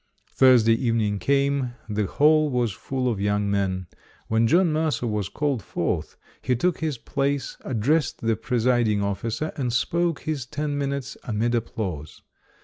Thursday evening came; the hall was full of young men. When John Mercer was called forth, he took his place, addressed the presiding officer and spoke his ten minutes amid applause.